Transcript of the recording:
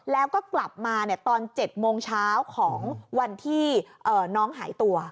แล้วก็กลับมาตอน๗โมงเช้าของวันที่น้องหายตัว